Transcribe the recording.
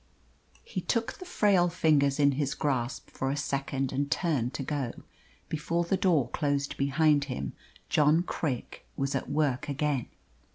He took the frail fingers in his grasp for a second and turned to go. Before the door closed behind him John Craik was at work again.